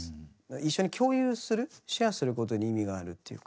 一緒に共有するシェアすることに意味があるっていうか。